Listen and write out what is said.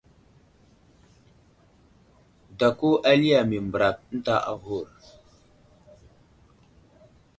Dako ali yam i mbərak ənta aghur.